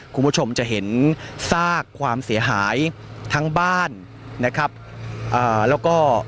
คุณผู้ชมจะเห็นสากความเสียหายทั้งบ้านและก็